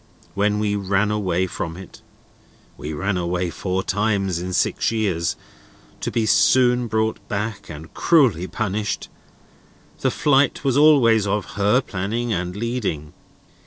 When we ran away from it (we ran away four times in six years, to be soon brought back and cruelly punished), the flight was always of her planning and leading.